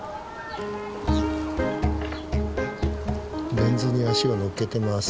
レンズに足を乗っけてます。